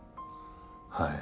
はい。